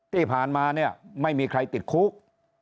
ที่ผ่านมาเนี่ยไม่มีใครติดคุก